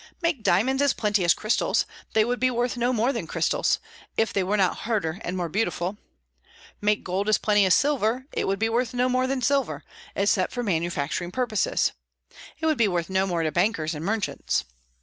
Make diamonds as plenty as crystals, they would be worth no more than crystals, if they were not harder and more beautiful. Make gold as plenty as silver, it would be worth no more than silver, except for manufacturing purposes; it would be worth no more to bankers and merchants.